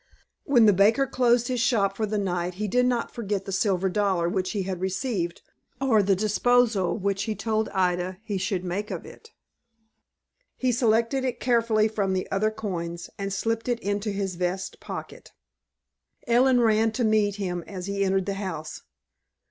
When the baker closed his shop for the night he did not forget the silver dollar which he had received, or the disposal which he told Ida he should make of it. He selected it carefully from the other coins, and slipped it into his vest pocket. Ellen ran to meet him as he entered the house.